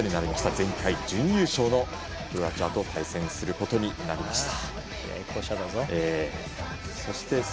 前回準優勝のクロアチアと対戦することになりました。